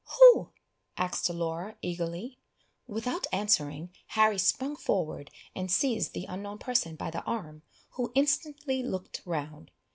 "Who?" asked Laura, eagerly. Without answering, Harry sprung forward, and seized the unknown person by the arm, who instantly looked round.